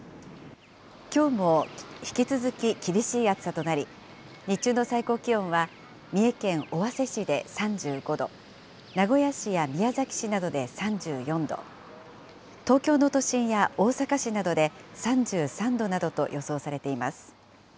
きょうも引き続き厳しい暑さとなり、日中の最高気温は三重県尾鷲市で３５度、名古屋市や宮崎市などで３４度、東京の都心や大阪市などで３３度などと予想されています。